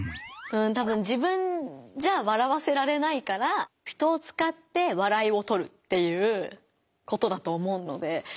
たぶん自分じゃ笑わせられないから人をつかって笑いをとるっていうことだと思うので。